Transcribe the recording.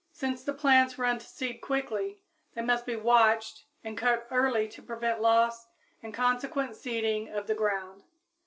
Since the plants run to seed quickly, they must be watched and cut early to prevent loss and consequent seeding of the ground.